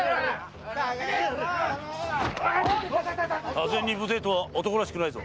多勢に無勢とは男らしくないぞ。